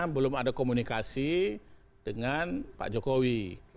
belum ada komunikasi dengan pak jokowi